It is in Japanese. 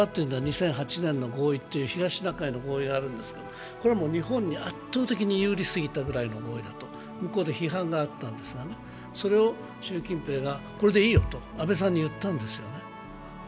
例えば２００８年の東シナ海の合意があるんですけど、日本に圧倒的に有利すぎたぐらいのものだと向こうでは批判があったんですがそれを習近平が、これでいいよと安倍さんに言ったんですね。